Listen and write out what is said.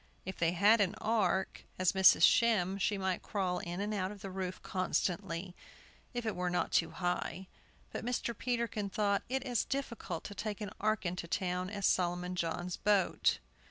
If they had an ark, as Mrs. Shem she might crawl in and out of the roof constantly, if it were not too high. But Mr. Peterkin thought it as difficult to take an ark into town as Solomon John's boat.